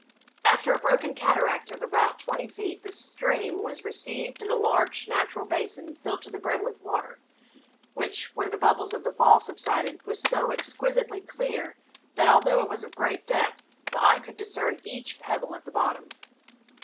After a broken cataract of about twenty feet, the stream was received in a large natural basin filled to the brim with water, which, where the bubbles of the fall subsided, was so exquisitely clear that, although it was of great depth, the eye could discern each pebble at the bottom.